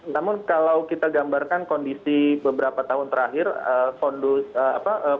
namun kalau kita gambarkan kondisi beberapa tahun terakhir kondisi kehidupan umat beragama di kota medan tergolong baik saja